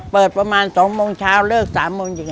เปิดประมาณ๒โมงเช้า